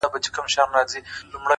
زه به له خپل دياره ولاړ سمه ـ